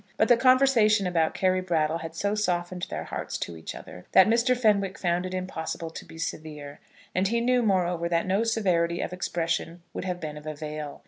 But the conversation about Carry Brattle had so softened their hearts to each other, that Mr. Fenwick found it impossible to be severe. And he knew, moreover, that no severity of expression would have been of avail.